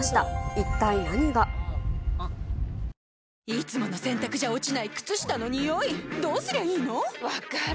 いつもの洗たくじゃ落ちない靴下のニオイどうすりゃいいの⁉分かる。